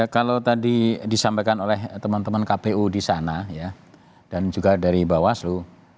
kalau tadi disampaikan oleh teman teman kpu di sana dan juga dari bawaslu